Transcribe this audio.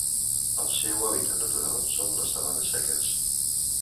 El seu hàbitat natural són les sabanes seques.